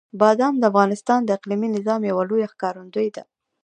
بادام د افغانستان د اقلیمي نظام یوه لویه ښکارندوی ده.